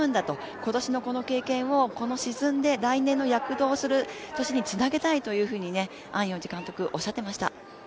今年のこの経験を沈んで来年の躍動する年につなげたいと安養寺監督はおっしゃっていました。